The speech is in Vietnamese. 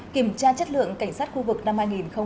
kiểm tra chất lượng cảnh sát khu vực năm hai nghìn hai mươi ba